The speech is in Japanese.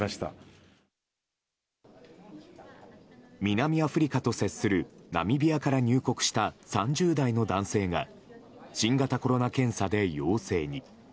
南アフリカと接するナミビアから入国した３０代の男性が新型コロナ検査で陽性に。